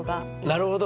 なるほど。